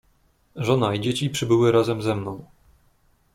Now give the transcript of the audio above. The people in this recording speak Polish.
"Żona i dzieci przybyły razem ze mną."